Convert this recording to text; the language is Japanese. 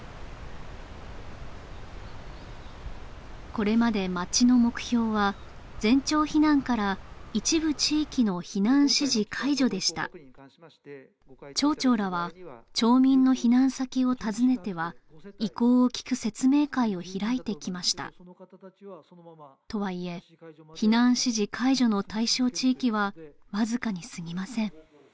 これまで町の目標は全町避難から一部地域の避難指示解除でした町長らは町民の避難先を訪ねては意向を聞く説明会を開いてきましたとはいえ避難指示解除の対象地域はわずかにすぎません